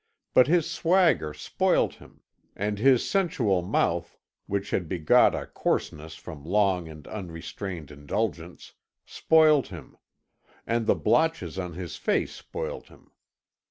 But his swagger spoilt him; and his sensual mouth, which had begot a coarseness from long and unrestrained indulgence, spoilt him; and the blotches on his face spoilt him.